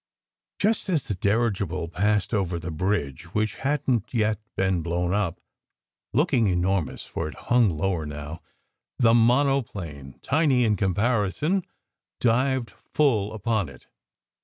Just as the dirigible passed over the bridge, which hadn t yet been blown up, looking enormous, for it hung lower now, the monoplane tiny in comparison dived full upon it.